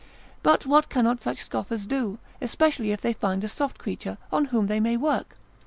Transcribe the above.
But what cannot such scoffers do, especially if they find a soft creature, on whom they may work?